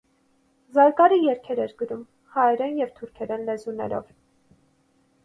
Զարգարը երգեր էր գրում հայերեն և թուրքերեն լեզուներով։